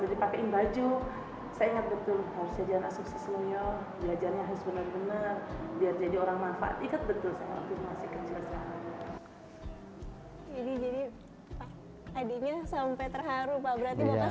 berarti bapak sesayang gitu ya